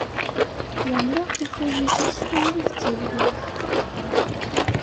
Yerna tufa yid-s tayri d talwit.